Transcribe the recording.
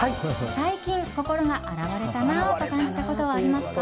最近、心が洗われたなあと感じたことはありますか？